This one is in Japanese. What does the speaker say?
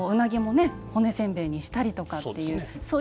うなぎも骨せんべいにしたりとかっていう。